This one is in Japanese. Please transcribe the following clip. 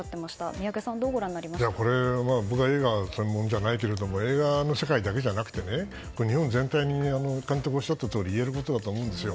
宮家さんどうご覧に僕は映画は専門じゃないけども映画の世界だけじゃなくて日本全体におっしゃったとおりいえることだと思います。